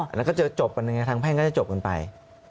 อันนั้นก็เจอจบอันหนึ่งทางแพ่งก็จะจบกันไป